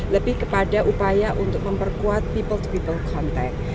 lebih kepada upaya untuk memperkuat people to people contact